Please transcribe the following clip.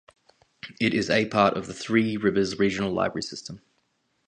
It is a part of the Three Rivers Regional Library System.